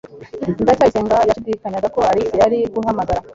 ndacyayisenga yashidikanyaga ko alice yari guhamagara